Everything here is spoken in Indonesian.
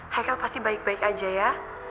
haikal pasti baik baik aja ya